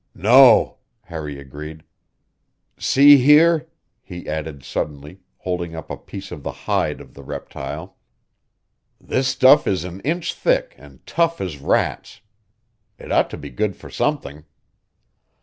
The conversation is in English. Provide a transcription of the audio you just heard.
"No," Harry agreed. "See here," he added suddenly, holding up a piece of the hide of the reptile; "this stuff is an inch thick and tough as rats. It ought to be good for something."